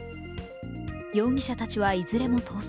容疑者たちはいずれも逃走。